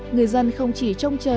người dân không chỉ trông chờ